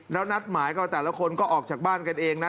แล้วนัดหมายก็แต่ละคนก็ออกจากบ้านกันเองนะ